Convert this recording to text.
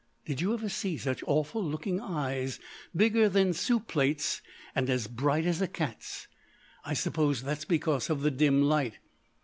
Did you ever see such awful looking eyes, bigger than soup plates and as bright as a cat's. I suppose that's because of the dim light.